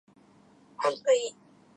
ロリロリローリロリ